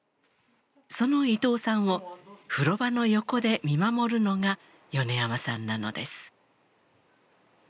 その伊藤さんを風呂場の横で見守るのが米山さんなのです。